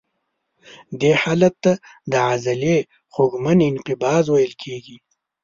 دې حالت ته د عضلې خوږمن انقباض ویل کېږي.